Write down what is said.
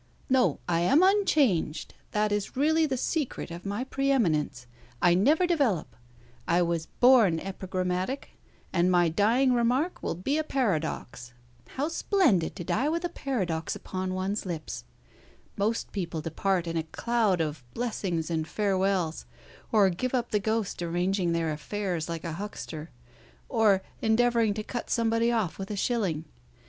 No, I am unchanged. That is really the secret of my pre eminence. I never develop. I was born epigrammatic, and my dying remark will be a paradox. How splendid to die with a paradox upon one's lips! Most people depart in a cloud of blessings and farewells, or give up the ghost arranging their affairs like a huckster, or endeavouring to cut somebody off with a shilling.